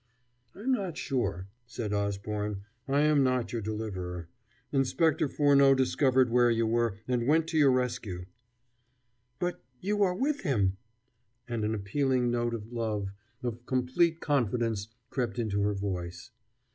"I am not sure," said Osborne. "I am not your deliverer; Inspector Furneaux discovered where you were, and went to your rescue." "But you are with him?" and an appealing note of love, of complete confidence, crept into her voice.